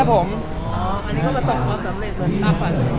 อ๋ออันนี้ก็มาส่งความสำเร็จกับตั้งแต่ก่อน